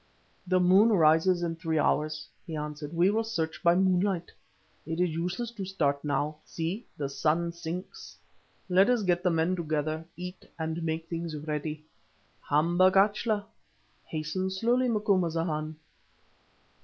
"The moon rises in three hours," he answered; "we will search by moonlight. It is useless to start now; see, the sun sinks. Let us get the men together, eat, and make things ready. Hamba gachla. Hasten slowly, Macumazahn."